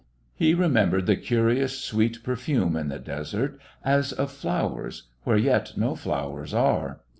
He remembered the curious, sweet perfume in the desert, as of flowers, where yet no flowers are.